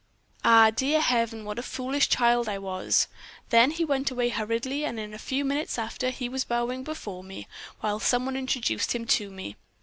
"Ah, dear Heaven! what a foolish child I was! Then he went away hurriedly, and in a few minutes afterward he was bowing before me, while some one introduced him to me.